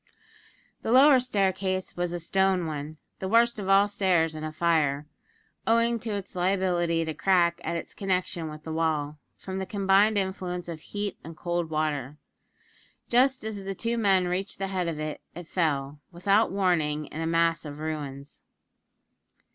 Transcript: The lower staircase was a stone one the worst of all stairs in a fire, owing to its liability to crack at its connection with the wall, from the combined influence of heat and cold water. Just as the two men reached the head of it, it fell, without warning, in a mass of ruins.